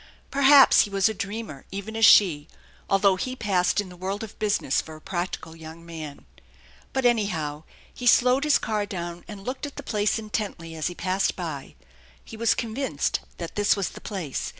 Perhaps he was a dreamer, even as she, although he passed in the world of business for a practical young man. But anyhow he slowed his car down and looked at the place intently as he passed by. He was convinced that this was the place.